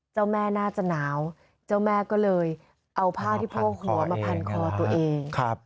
เจ้าแม่น่าจะหนาวเจ้าแม่ก็เลยเอาผ้าที่โพกหัวมาพันคอตัวเอง